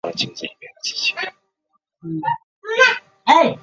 铜钹是一种常见的打击乐器。